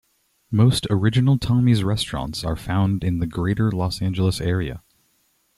Most Original Tommy's restaurants are found in the Greater Los Angeles Area.